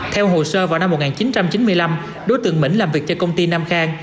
theo hồ sơ vào năm một nghìn chín trăm chín mươi năm đối tượng mỹ làm việc cho công ty nam khang